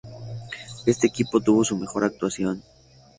En este equipo tuvo su mejor actuación.